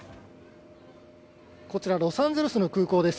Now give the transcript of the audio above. ロサンゼルスの空港です。